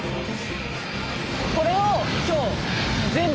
これを今日全部？